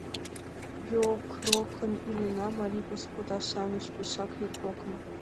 Йокрокын илена, марий господа-шамыч, пешак йокрокын!